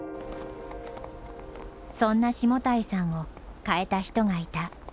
そんな下平さんを変えた人がいた。